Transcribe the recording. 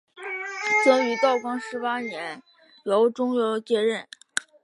曾于道光十八年由中佑接任。